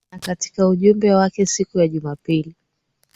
Na katika ujumbe wake siku ya Jumapili